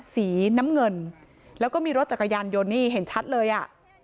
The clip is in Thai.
สีน้ำเงินแล้วก็มีรถจักรยานยนต์นี่เห็นชัดเลยอ่ะ